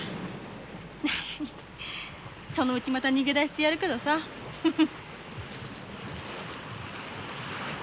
なあにそのうちまた逃げ出してやるけどさフフフ。